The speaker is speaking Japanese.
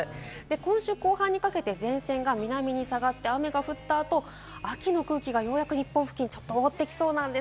今週後半にかけて前線が南に下がって、雨が降った後、秋の空気がようやく日本付近を覆ってきそうなんです。